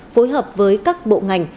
phối hợp với các bộ ngành